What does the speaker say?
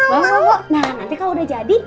wow nah nanti kalau udah jadi